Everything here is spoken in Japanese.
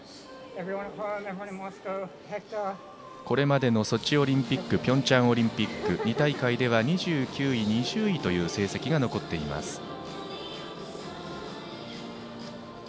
これまでソチオリンピックピョンチャンオリンピックの２大会では２９位、２０位という成績が残っています。